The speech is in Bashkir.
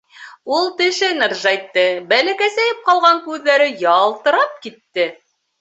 Ул тешен ыржайтты, бәләкәсәйеп ҡалған күҙҙәре ялтырап китте.